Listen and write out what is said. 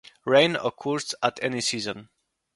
Rain occurs at any season.